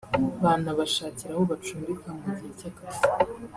banabashakira aho bacumbika mu gihe cy’akazi